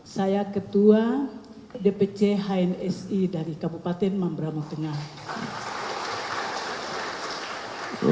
saya ketua dpc hnsi dari kabupaten mambramo tengah